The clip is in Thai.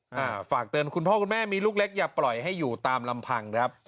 อ่าฝากเตือนคุณพ่อคุณแม่มีลูกเล็กอย่าปล่อยให้อยู่ตามลำพังครับ